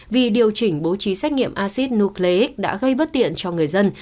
vì điều chỉnh bố trí xét nghiệm acid nucleic đã gây bất tiện cho người dân